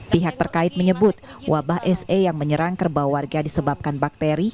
pihak terkait menyebut wabah se yang menyerang kerbau warga disebabkan bakteri